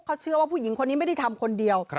เขาเชื่อว่าผู้หญิงคนนี้ไม่ได้ทำคนเดียว